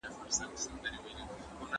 سلام اچول د مينې د زياتوالي سبب ګرځي.